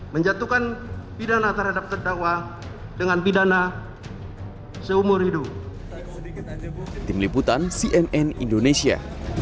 menjatuhkan pidana terhadap terdakwa dengan pidana seumur hidup sedikit aja tim liputan cnn indonesia